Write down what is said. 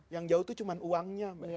yang jauh itu cuma uangnya